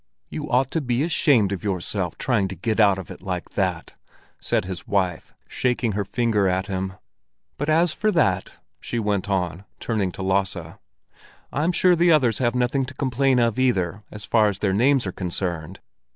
"You ought to be ashamed of yourself, trying to get out of it like that," said his wife, shaking her finger at him. "But as for that," she went on, turning to Lasse, "I'm sure the others have nothing to complain of either, as far as their names are concerned.